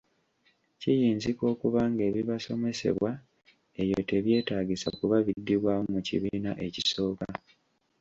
Kiyinzika okuba ng’ebibasomesebwa eyo tebyetaagisa kuba biddibwamu mu kibiina ekisooka.